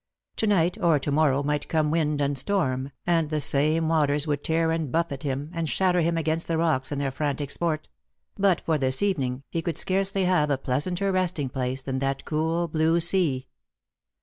To night or to morrow might come wind and storm, and the same waters would tear and buffet him, and shatter him against the rocks in their frantic sport ; but for this evening, he could scarcely have a pleasanter resting place than that cool blue sea.